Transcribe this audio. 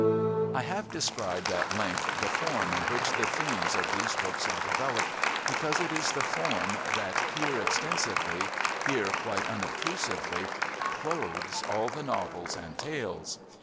I have described at length the form in which the themes of these books are developed, because it is the form that, here extensively, here quite unobtrusively, clothes all the novels and tales.